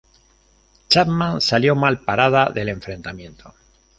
Chapman salió mal parada del enfrentamiento.